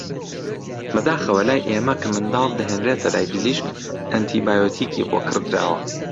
بەداخەوە لای ئێمە کە منداڵ دەهێنرێتە لای پزیشک ئەنتی بایۆتیکی بۆ کڕدراوە